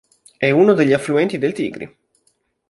È uno degli affluenti del Tigri.